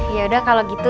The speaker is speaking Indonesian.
yaudah kalau gitu